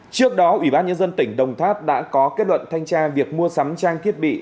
trước đó ủy ban nhân dân tỉnh đồng tháp đã có kết luận thanh tra việc mua sắm trang thiết bị